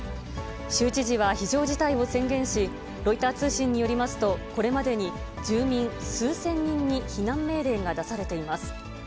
州知事は非常事態を宣言し、ロイター通信によりますと、これまでに住民数千人に、避難命令が出されています。